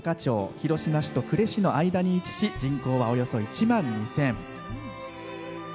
広島市と呉市の間に位置し人口は、およそ１万２０００。